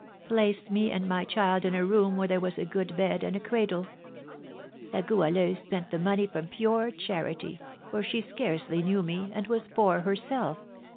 placed me and my child in a room where there was a good bed and a cradle; La Goualeuse spent the money from pure charity, for she scarcely knew me, and was poor herself.